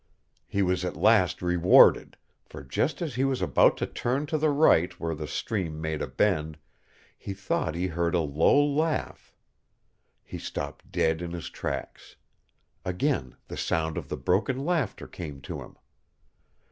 He was at last rewarded, for just as he was about to turn to the right where the stream made a bend, he thought he heard a low laugh. He stopped dead in his tracks. Again the sound of the broken laughter came to him.